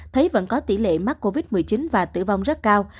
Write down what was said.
thấy vẫn có tỷ lệ mắc covid một mươi chín và tử vong rất cao